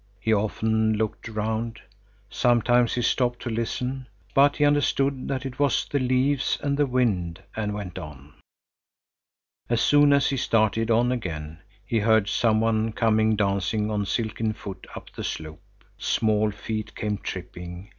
He often looked round. Sometimes he stopped to listen, but he understood that it was the leaves and the wind, and went on. As soon as he started on again, he heard some one come dancing on silken foot up the slope. Small feet came tripping.